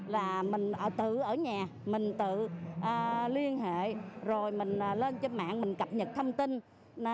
là mình tự ở nhà mình tự liên hệ rồi mình lên trên mạng mình cập nhật thông tin